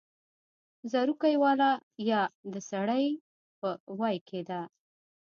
زورکۍ واله يا د سړۍ په ویي کې ده